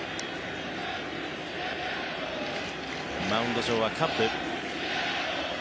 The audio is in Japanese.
マウンド上はカッブ。